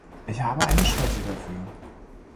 Ich habe eine Schwäche dafür.